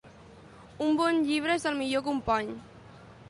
Un bon llibre és el millor company.